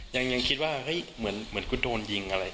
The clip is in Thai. ยังคิดว่าเฮ้ยเหมือนกูโดนยิงอะไร